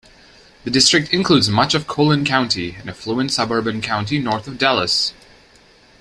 The district includes much of Collin County, an affluent suburban county north of Dallas.